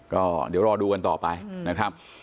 ก็เดี๋ยวรอดูกันต่อไปนะครับ